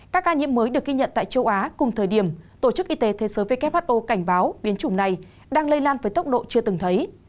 các ca nhiễm mới được ghi nhận tại châu á cùng thời điểm tổ chức y tế thế giới who cảnh báo biến chủng này đang lây lan với tốc độ chưa từng thấy